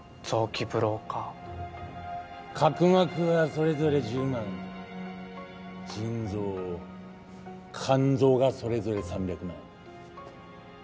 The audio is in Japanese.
角膜はそれぞれ１０万腎臓肝臓がそれぞれ３００万。